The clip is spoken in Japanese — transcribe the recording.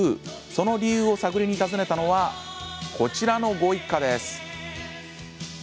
その秘密を探りに訪ねたのはこちらのご一家です。